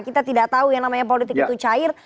kita tidak tahu yang namanya politik itu cair